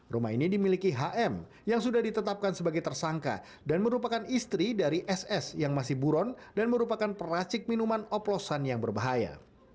rumah ini dimiliki hm yang sudah ditetapkan sebagai tersangka dan merupakan istri dari ss yang masih buron dan merupakan peracik minuman oplosan yang berbahaya